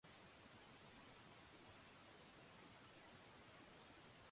音もしなければ、液晶に何かが写ることもなかった